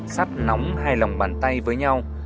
sắp nóng hai lòng bàn tay với nhau